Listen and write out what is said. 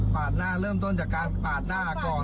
หน้าเริ่มต้นจากการปาดหน้าก่อน